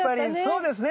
そうですね。